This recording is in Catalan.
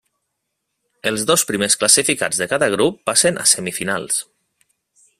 Els dos primers classificats de cada grup passen a semifinals.